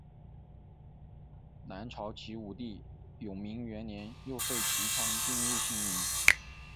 南朝齐武帝永明元年又废齐昌并入兴宁。